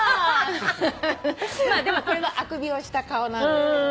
でもこれはあくびをした顔なんですけど。